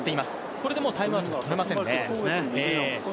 これでもうタイムアウトは取れませんね。